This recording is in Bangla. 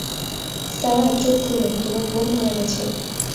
সারা, চোখ খুলো, তোমার বোন মারা গেছে!